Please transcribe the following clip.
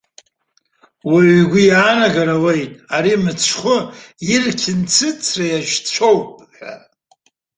Уаҩ игәы иаанагар ауеит, ари мыцхәы ирқьынцыцра иаҿцәоуп ҳәа.